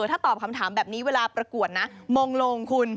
ถ้าตอบคำถามแบบนี้เวลาประกวดนะมงลงคุณ